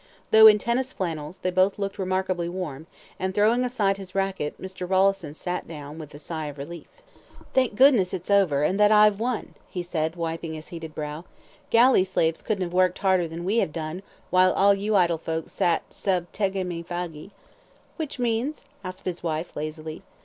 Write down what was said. Though in tennis flannels, they both looked remarkably warm, and, throwing aside his racket, Mr. Rolleston sat down with a sigh of relief. "Thank goodness it's over, and that I have won," he said, wiping his heated brow; "galley slaves couldn't have worked harder than we have done, while all you idle folks sat SUB TEGMINE FAGI." "Which means?" asked his wife, lazily.